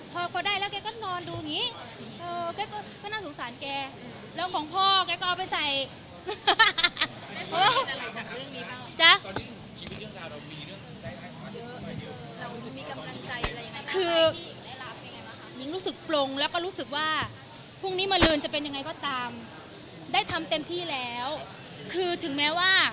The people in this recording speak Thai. พอได้แล้วแกก็นอนดูงี้